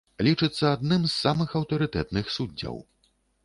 Лічыцца адным з самых аўтарытэтных суддзяў.